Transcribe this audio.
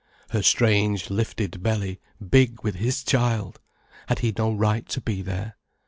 Her strange, lifted belly, big with his child! Had he no right to be there?